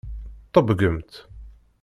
Ṭebbgemt!